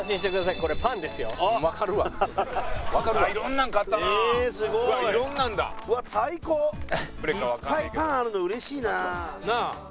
いっぱいパンあるの嬉しいな。